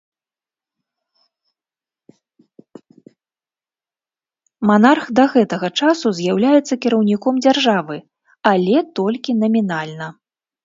Манарх да гэтага часу з'яўляецца кіраўніком дзяржавы, але толькі намінальна.